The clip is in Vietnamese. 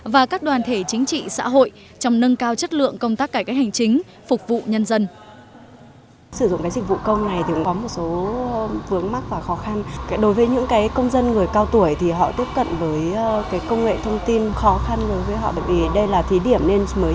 và các đoàn thể chính trị xã hội trong nâng cao chất lượng công tác cải cách hành chính phục vụ nhân dân